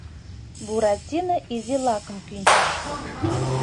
Буратино изи лакым кӱнчыш.